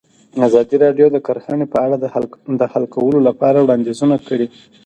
ازادي راډیو د کرهنه په اړه د حل کولو لپاره وړاندیزونه کړي.